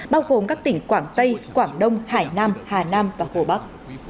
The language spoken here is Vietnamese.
bao gồm các tỉnh quảng tây quảng đông hải nam hà nam và hồ bắc